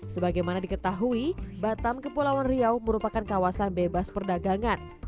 sebagaimana diketahui batam kepulauan riau merupakan kawasan bebas perdagangan